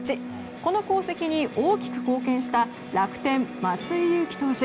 この功績に大きく貢献した楽天、松井裕樹投手